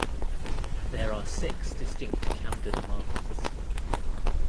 There are six distinct Camden markets.